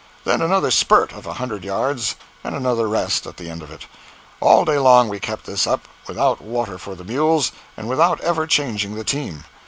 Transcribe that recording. Then another "spurt" of a hundred yards and another rest at the end of it. All day long we kept this up, without water for the mules and without ever changing the team.